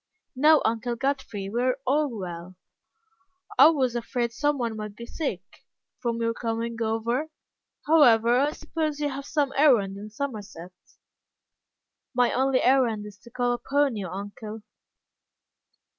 "No, Uncle Godfrey, we are all well." "I was afraid some one might be sick, from your coming over. However, I suppose you have some errand in Somerset." "My only errand is to call upon you, uncle."